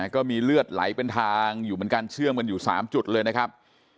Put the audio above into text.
ก็มีเลือดไหลเป็นทางอยู่เหมือนกันเชื่อมกันอยู่๓จุดเลยนะครับ